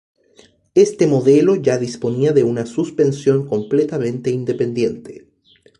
Este modelo ya disponía de una suspensión completamente independiente.